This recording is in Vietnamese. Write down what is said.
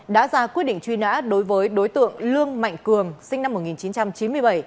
đã ra quyết định truy nã đối với đối tượng lương mạnh cường sinh năm một nghìn chín trăm chín mươi bảy